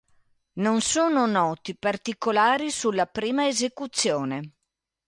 Non sono noti particolari sulla prima esecuzione.